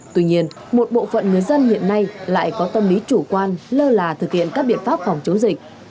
tuy nhiên một bộ phận người dân hiện nay lại có tâm lý chủ quan lơ là thực hiện các biện pháp phòng chống dịch